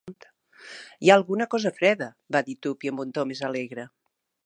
"Hi ha alguna cosa freda", va dir Tuppy, amb un to més alegre.